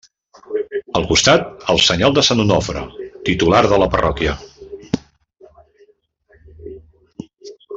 Al costat, el senyal de sant Onofre, titular de la parròquia.